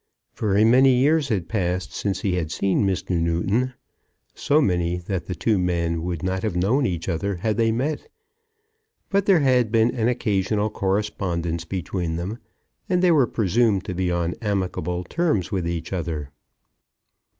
Very many years had passed since he had seen Mr. Newton, so many that the two men would not have known each other had they met; but there had been an occasional correspondence between them, and they were presumed to be on amicable terms with each other.